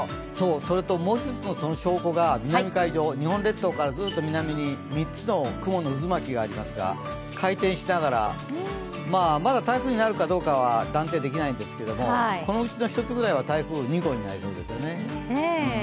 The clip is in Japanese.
それともう１つのその証拠が南海上、日本列島からずっと南に３つの雲の渦巻きがありますが、回転しながら、まだ台風になるかどうかは断定できないんですがこのうちの１つぐらいは台風２号になりそうですよね。